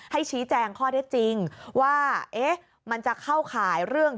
ให้ชี้แจงข้อได้จริงว่ามันจะเข้าขายเรื่อง